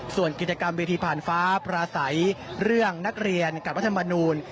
ส่วนกิจกรรมเวทีผ่านฟ้าปราศัยเรื่องนักเรียนกับรัฐมนูล